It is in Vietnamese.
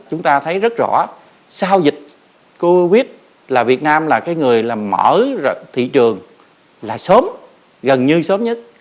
chúng ta thấy rất rõ sau dịch covid là việt nam là cái người là mở ra thị trường là sớm gần như sớm nhất